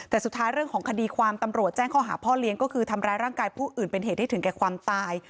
แต่สุดท้ายเรื่องของคดีความตำรวจแจ้งข้อหาพ่อเลี้ยงก็คือทำร้ายร่างกายผู้อื่นเป็นเหตุให้ถึงแก่ความตาย